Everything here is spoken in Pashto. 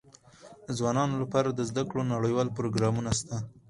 د ځوانانو لپاره د زده کړو نړيوال پروګرامونه سته.